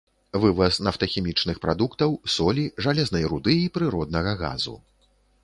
Вываз нафтахімічных прадуктаў, солі, жалезнай руды і прыроднага газу.